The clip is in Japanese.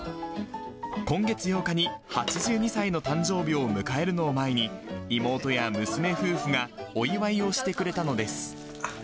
今月８日に８２歳の誕生日を迎えるのを前に、妹や娘夫婦がお祝いをしてくれたのです。